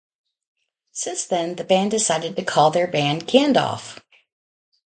Since then, the band decided to call their band Gandalf.